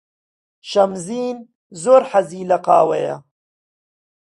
شەمزین زۆر حەزی لە قاوەیە.